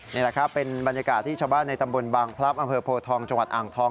นี่แหละครับเป็นบรรยากาศที่ชาวบ้านในตำบลบางพลับอำเภอโพทองจังหวัดอ่างทอง